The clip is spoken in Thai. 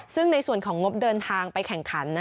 ซึ่งในส่วนของงบเดินทางไปแข่งขัน